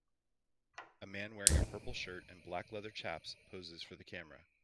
A man wearing a purple shirt and black leather chaps poses for the camera.